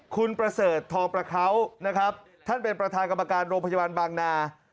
คุณประเสริฐทองประเขานะครับท่านเป็นประธานกรรมการโรงพยาบาลบางนา